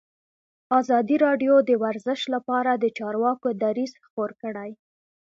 ازادي راډیو د ورزش لپاره د چارواکو دریځ خپور کړی.